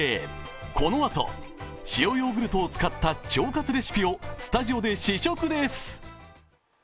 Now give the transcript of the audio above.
このあと、塩ヨーグルトを使った腸活レシピをスタジオで試食です。